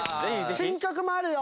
新曲もあるよ！